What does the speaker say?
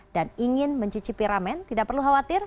dan ingin mencicipi ramen tidak perlu khawatir